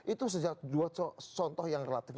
itu dua contoh yang relatif